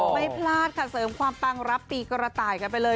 ไม่พลาดค่ะเสริมความปังรับปีกระต่ายกันไปเลย